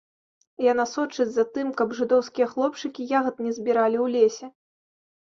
Яна сочыць за тым, каб жыдоўскія хлопчыкі ягад не збіралі ў лесе.